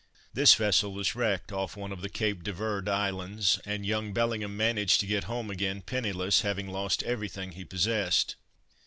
This vessel was wrecked off one of the Cape de Verd Islands, and young Bellingham managed to get home again, penniless having lost everything he possessed.